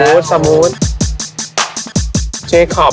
มานี่ปากม่อเจ๊กลบ